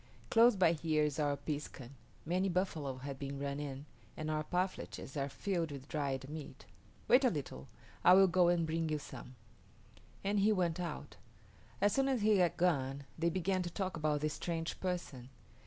Close by here is our piskun. Many buffalo have been run in, and our parfleches are filled with dried meat. Wait a little; I will go and bring you some," and he went out. As soon as he had gone they began to talk about this strange person.